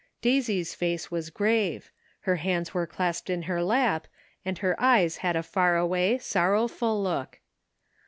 Daisy's face was grave ; her hands were clasped in her lap, and her eyes had a far away, sorrowful look.